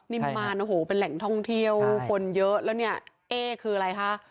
นิมมารโอ้โหเป็นแหล่งท่องเที่ยวคนเยอะแล้วเนี่ยเอ๊คืออะไรคะ